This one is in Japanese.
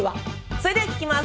それでは聞きます。